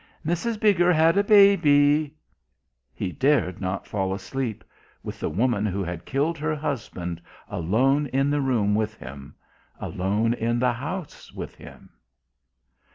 "Mrs. Bigger had a baby " He dared not fall asleep ... with the woman who had killed her husband, alone in the room with him ... alone in the house with him.